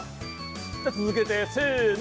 じゃ続けてせの。